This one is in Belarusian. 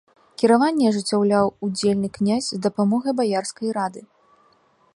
Кіраванне ажыццяўляў удзельны князь з дапамогай баярскай рады.